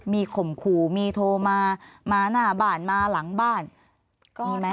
มีข่มขู่มีโทรมามาหน้าบ้านมาหลังบ้านก็มีไหม